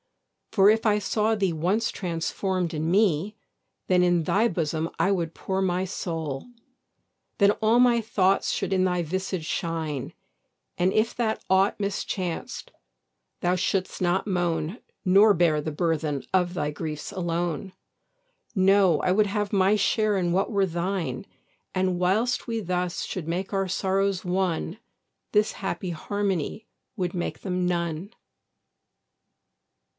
For if I saw thee once transform'd in me, Then in thy bosom I would pour my soul; Then all my thoughts should in thy visage shine, And if that aught mischanced thou should'st not moan Nor bear the burthen of thy griefs alone: No, I would have my share in what were thine: And whilst we thus should make our sorrows one, This happy harmony would make them none.